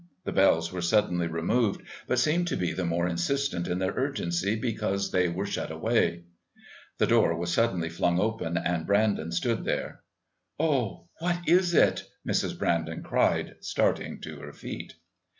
The bells were suddenly removed, but seemed to be the more insistent in their urgency because they were shut away. The door was suddenly flung open, and Brandon stood there. "Oh, what is it?" Mrs. Brandon cried, starting to her feet.